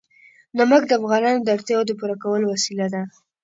نمک د افغانانو د اړتیاوو د پوره کولو وسیله ده.